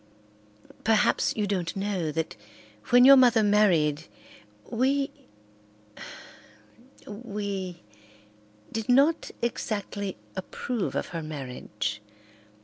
Perhaps you don't know that when your mother married we—we—did not exactly approve of her marriage.